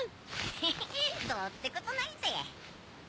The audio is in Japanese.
ヘヘっどうってことないぜ。